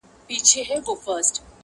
بېگانه مو په مابین کي عدالت دئ!